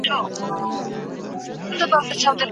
دا پروګرام د یو نوي انجنیر له خوا جوړ سوی دی.